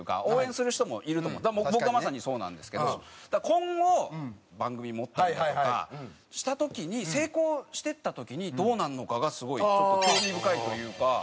今後番組持ったりだとかした時に成功していった時にどうなるのかがすごいちょっと興味深いというか。